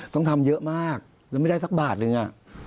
ต้องทำเยอะมากแล้วไม่ได้สักบาทนึง